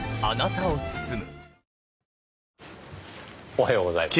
おはようございます。